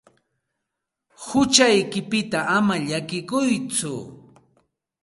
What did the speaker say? Huchaykipita ama llakikuytsu.